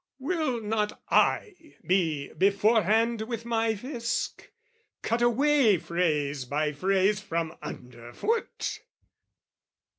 Will not I be beforehand with my Fisc, Cut away phrase by phrase from underfoot!